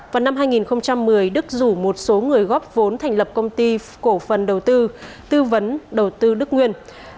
vào năm hai nghìn một mươi đức rủ một số người góp vốn thành lập công ty cổ phần đầu tư tư vấn đầu tư đức nguyên